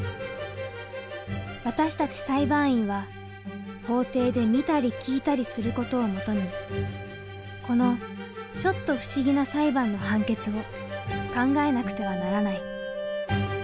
私たち裁判員は法廷で見たり聞いたりする事を基にこのちょっと不思議な裁判の判決を考えなくてはならない。